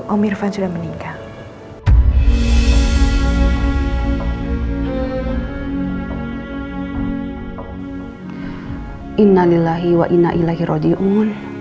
om irfan sudah meninggal